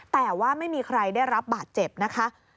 แต่ว่าไม่มีใครได้รับบาดเจ็บนะคะ